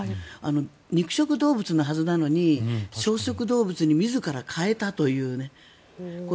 肉食動物のはずなのに草食動物に自ら変えたという。